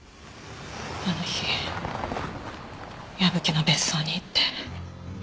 あの日矢吹の別荘に行って。